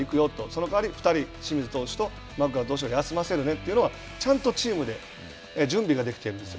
そのかわり２人清水投手とマクガフ投手は休ませるねというのはちゃんとチームで準備ができているんです。